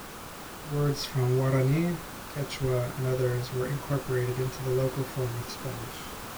Words from Guarani, Quechua and others were incorporated into the local form of Spanish.